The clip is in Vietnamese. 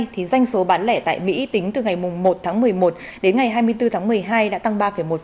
thì doanh số bán lẻ tại mỹ tính từ ngày một tháng một mươi một đến ngày hai mươi bốn tháng một mươi hai đã tăng ba một